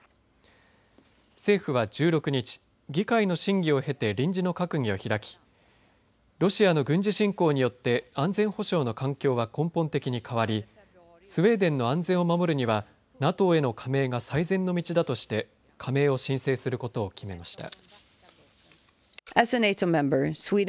政府は１６日、議会の審議を経て臨時の閣議を開きロシアの軍事侵攻によって安全保障の環境は根本的に変わりスウェーデンの安全を守るにはＮＡＴＯへの加盟が最善の道だとして加盟を申請することを決めました。